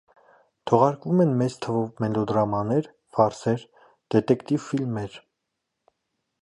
Թողարկվում են մեծ թվով մելոդրամաներ, ֆարսեր, դետեկտիվ ֆիլմեր։